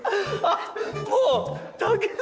もう。